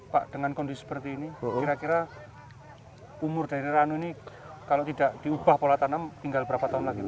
pak dengan kondisi seperti ini kira kira umur dari ranu ini kalau tidak diubah pola tanam tinggal berapa tahun lagi pak